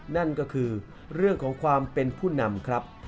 นั่นก็คือเรื่องของความเป็นผู้นำครับ